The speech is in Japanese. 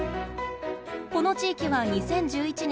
この地域は２０１１年